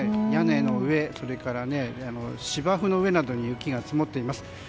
屋根の上それから芝生の上などに雪が積もっています。